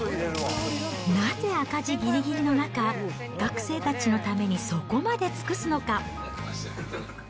なぜ赤字ぎりぎりの中、学生たちのためにそこまで尽くすのか。